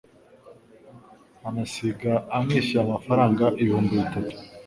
anasiga amwishyuye amafaranga ibihumbi bitatu.